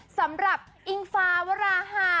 สำหรับอิงฟ้าวราฮา